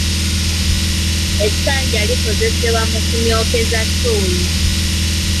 Essanja likozesebwa mu kunyookeza ttooyi.